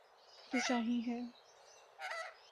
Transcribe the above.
'تو شاہین ہے۔